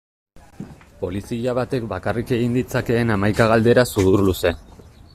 Polizia batek bakarrik egin ditzakeen hamaika galdera sudurluze.